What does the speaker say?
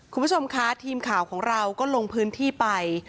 คุณผู้ชมคะทีมข่าวของเราก็ลงพื้นที่ไป